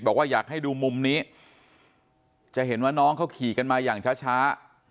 บอกว่าอยากให้ดูมุมนี้จะเห็นว่าน้องเขาขี่กันมาอย่างช้า